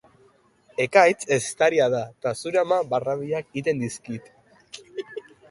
Hiru dantzariren koreografia eta bi arkeologoen zonbi pelikula.